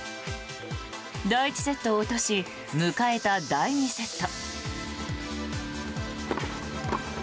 第１セットを落とし迎えた第２セット。